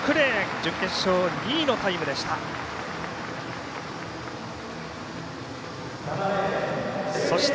準決勝２位のタイムでした。